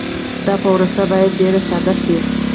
دا پروسه باید ډېر ساده شي.